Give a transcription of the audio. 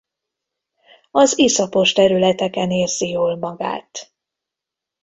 Az iszapos területeken érzi jól magát.